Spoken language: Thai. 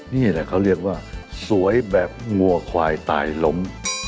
นี่แหละเขาเรียกว่าสวยแบบงัวควายตายล้ม